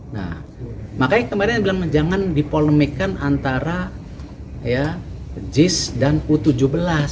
nah makanya kemarin bilang jangan dipolemikan antara jis dan u tujuh belas